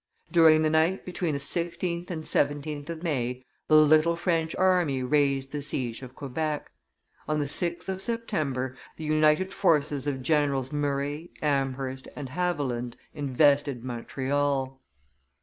During the night between the 16th and 17th of May, the little French army raised the siege of Quebec. On the 6th of September, the united forces of Generals Murray, Amherst, and Haviland invested Montreal.